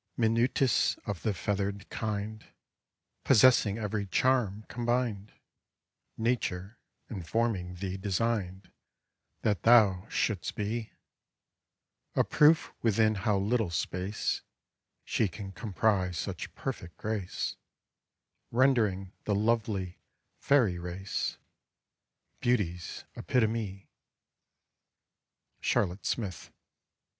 _ Minutest of the feathered kind, Possessing every charm combined, Nature, in forming thee, designed That thou shouldst be, A proof within how little space She can comprise such perfect grace, Rendering the lovely, fairy race Beauty's epitome. —_Charlotte Smith.